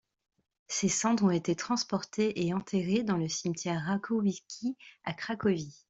Ses cendres ont été transportés et enterrés dans le cimetière Rakowicki à Cracovie.